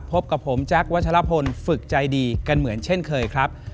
พบกับผมแจ๊ควัชลพลฝึกใจดีกันเหมือนเช่นเคยครับ